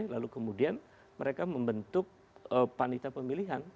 lalu kemudian mereka membentuk panita pemilihan